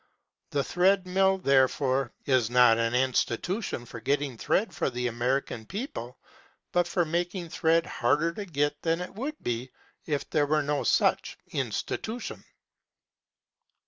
The thread mill, therefore, is not an institution for getting thread for the American people, but for making thread harder to get than it would be if there were no such institution.